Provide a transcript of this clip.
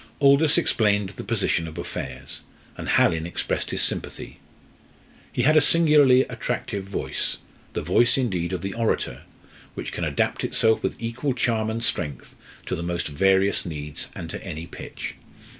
Aldous explained the position of affairs, and Hallin expressed his sympathy. He had a singularly attractive voice, the voice indeed of the orator, which can adapt itself with equal charm and strength to the most various needs and to any pitch.